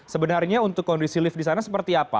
sebenarnya untuk kondisi lift di sana seperti apa